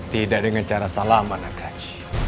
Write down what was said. tidak dengan cara salah mbak nagraj